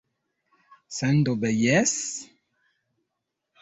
Sendube, jes.